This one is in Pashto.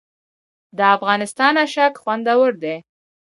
د افغانستان اشک خوندور دي